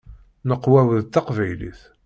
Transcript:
Nnekwa-w d taqbaylit.